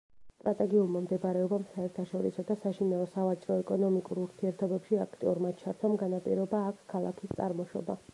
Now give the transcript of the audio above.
სტრატეგიულმა მდებარეობამ, საერთაშორისო და საშინაო სავაჭრო ეკონომიკურ ურთიერთობებში აქტიურმა ჩართვამ განაპირობა აქ ქალაქის წარმოშობა.